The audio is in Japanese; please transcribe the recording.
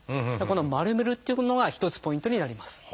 この丸めるっていうのが一つポイントになります。